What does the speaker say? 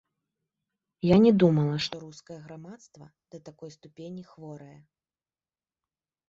Я не думала, што рускае грамадства да такой ступені хворае.